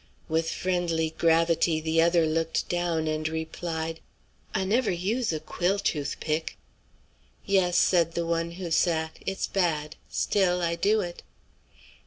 With friendly gravity the other looked down and replied, "I never use a quill toothpick." "Yes," said the one who sat, "it's bad. Still I do it."